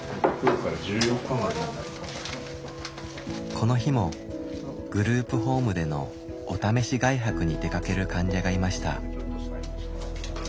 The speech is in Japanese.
この日もグループホームでのお試し外泊に出かける患者がいました。